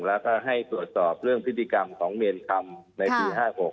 แล้วก็ให้ตรวจสอบเรื่องพฤติกรรมของเมียนคำในปี๕๖